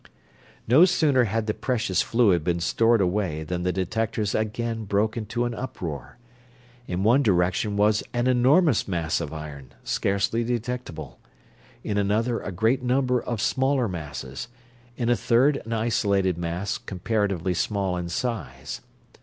No sooner had the precious fluid been stored away than the detectors again broke into an uproar. In one direction was an enormous mass of iron, scarcely detectable; in another a great number of smaller masses; in a third an isolated mass, comparatively small in size.